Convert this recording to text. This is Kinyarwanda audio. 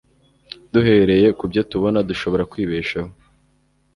Duhereye kubyo tubona, dushobora kwibeshaho